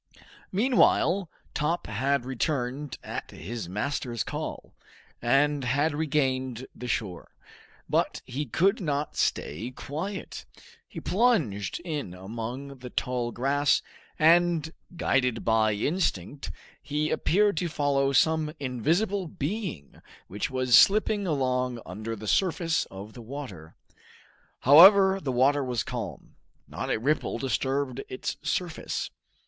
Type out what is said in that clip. Meanwhile Top had returned at his master's call, and had regained the shore: but he could not stay quiet; he plunged in among the tall grass, and guided by instinct, he appeared to follow some invisible being which was slipping along under the surface of the water. However the water was calm; not a ripple disturbed its surface.